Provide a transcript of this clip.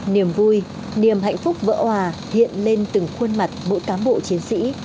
niềm vui niềm hạnh phúc vỡ hòa hiện lên từng khuôn mặt mỗi cám bộ chiến sĩ